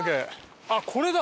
あっこれだ！